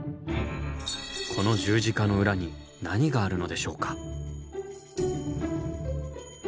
この十字架の裏に何があるのでしょうか？